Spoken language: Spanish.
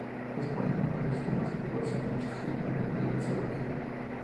Dispone de uno de los sistemas de innovación artificial más grandes de la Cerdaña.